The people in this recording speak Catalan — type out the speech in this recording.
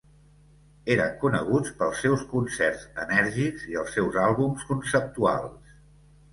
Eren coneguts pels seus concerts enèrgics i els seus àlbums conceptuals.